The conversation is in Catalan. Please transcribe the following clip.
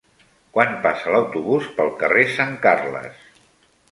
Quan passa l'autobús pel carrer Sant Carles?